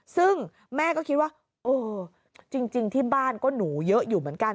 ซึ่งแม่ก็คิดว่าเออจริงที่บ้านก็หนูเยอะอยู่เหมือนกัน